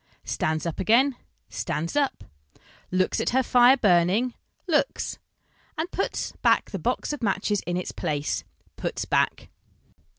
Stands up again, stands up. Looks at her fire burning, looks. And puts back the box of matches in its place, puts back?